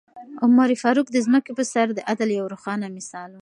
عمر فاروق د ځمکې په سر د عدل یو روښانه مثال و.